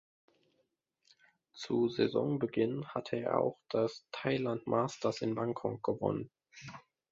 Zu Saisonbeginn hatte er auch das Thailand Masters in Bangkok gewonnen.